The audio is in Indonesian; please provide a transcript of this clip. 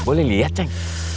boleh liat ceng